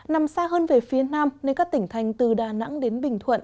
nằm xa hơn về phía nam nên các tỉnh thành từ đà nẵng đến bình thuận